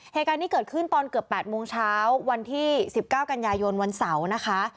เหตุการณ์นี้เกิดขึ้นตอนเกือบ๘โมงเช้าวันที่๑๙กันยายนวันเสาร์นะคะ